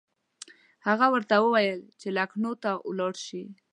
هغه ورته وویل چې لکنهو ته ولاړ شي.